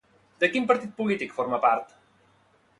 De quin partit polític forma part?